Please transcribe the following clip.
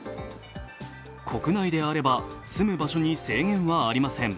国内であれば住む場所に制限はありません。